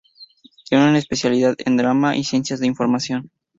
Tiene una especialidad en drama y ciencias de la información.